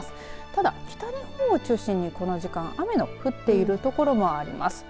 ただ、北日本を中心に、この時間雨の降っている所もあります。